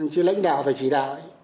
chứ lãnh đạo phải chỉ đạo